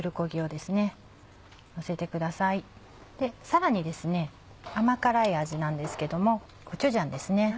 でさらに甘辛い味なんですけどもコチュジャンですね。